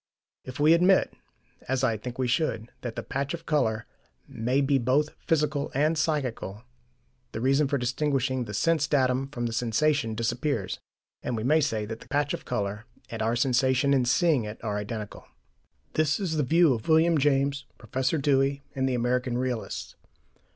If we admit as I think we should that the patch of colour may be both physical and psychical, the reason for distinguishing the sense datum from the sensation disappears, and we may say that the patch of colour and our sensation in seeing it are identical. This is the view of William James, Professor Dewey, and the American realists.